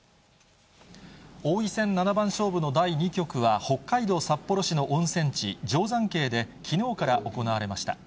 王位戦七番勝負の第２局は、北海道札幌市の温泉地、定山渓できのうから行われました。